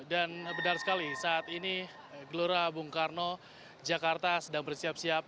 dan benar sekali saat ini gelora bung karno jakarta sedang bersiap siap